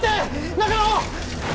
中野！